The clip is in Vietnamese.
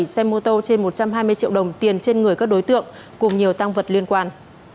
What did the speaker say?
bảy xe mô tô trên một trăm hai mươi triệu đồng tiền trên người các đối tượng cùng nhiều tăng vật liên quan